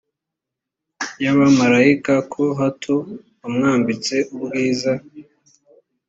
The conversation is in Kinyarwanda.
y abamarayika ho hato wamwambitse ubwiza